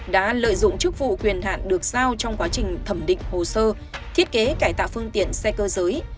đã lợi dụng chức vụ quyền hạn được giao trong quá trình thẩm định hồ sơ thiết kế cải tạo phương tiện xe cơ giới